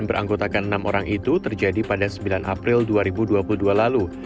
yang beranggotakan enam orang itu terjadi pada sembilan april dua ribu dua puluh dua lalu